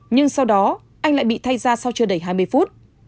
nhưng sau đó anh lại bị thay ra sau chưa đầy hai mươi phút